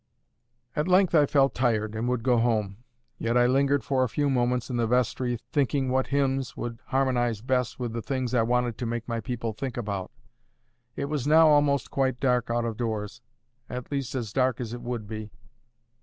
At length I felt tired, and would go home. Yet I lingered for a few moments in the vestry, thinking what hymns would harmonize best with the things I wanted to make my people think about. It was now almost quite dark out of doors—at least as dark as it would be.